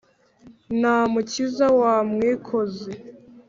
na mukiza wa mwikozi,